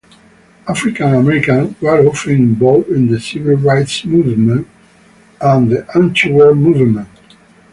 African Americans were often involved in the Civil Rights Movement and the antiwar movement.